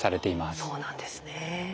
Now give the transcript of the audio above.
そうなんですね。